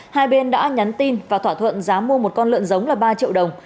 hai bên đã nhắn tin và thỏa thuận giá mua một con lợn giống là ba triệu đồng